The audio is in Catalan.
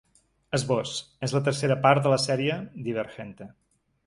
Esbós: És la tercera part de la sèrie ‘Divergente’.